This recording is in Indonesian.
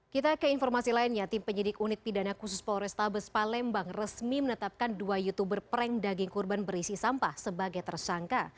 kita ke informasi lainnya tim penyidik unit pidana khusus polrestabes palembang resmi menetapkan dua youtuber prank daging kurban berisi sampah sebagai tersangka